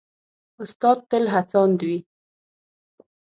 استاد تل هڅاند وي.